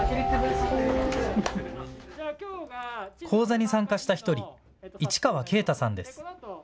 講座に参加した１人、市川慶太さんです。